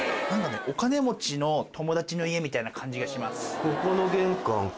お金持ちの友達の家みたいな感じがします。